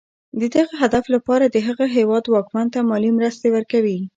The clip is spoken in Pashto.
د دغه هدف لپاره د هغه هېواد واکمن ته مالي مرستې ورکوي.